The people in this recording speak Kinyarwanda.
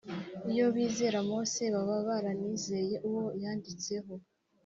. Iyo bizera Mose baba baranizeye uwo yanditseho.